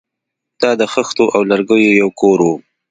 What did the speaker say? دا د خښتو او لرګیو یو کور و